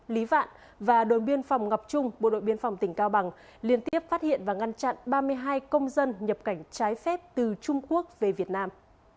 lý vạn và đồn biên phòng ngọc trung bộ đội biên phòng tỉnh cao bằng liên tiếp phát hiện và ngăn chặn ba mươi hai công dân nhập cảnh trái phép từ trung quốc về việt nam